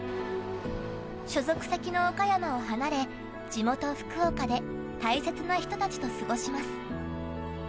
所属先の岡山を離れ地元・福岡で大切な人たちと過ごします。